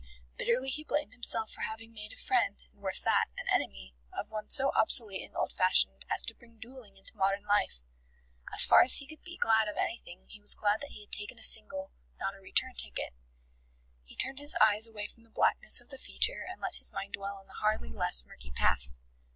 Bitterly he blamed himself for having made a friend (and worse than that, an enemy) of one so obsolete and old fashioned as to bring duelling into modern life. ... As far as he could be glad of anything he was glad that he had taken a single, not a return ticket. He turned his eyes away from the blackness of the future and let his mind dwell on the hardly less murky past.